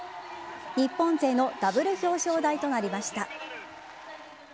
日本勢のダブル表彰台となりました。